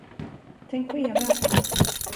Tänk på Eva.